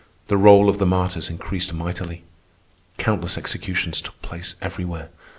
The roll of the martyrs increased mightily. Countless executions took place everywhere.